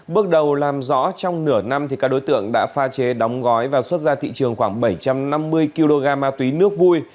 bước đầu làm rõ trong nửa năm các đối tượng đã pha chế đóng gói và xuất ra thị trường khoảng bảy trăm năm mươi kg ma túy nước vui